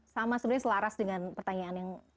sama sebenarnya selaras dengan pertanyaan yang